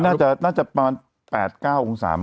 ตอนนี้น่าจะประมาณ๘๙หรือ๓หรือ